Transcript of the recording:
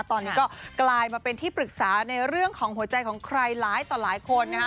ตอนนี้ก็กลายมาเป็นที่ปรึกษาในเรื่องของหัวใจของใครหลายต่อหลายคนนะฮะ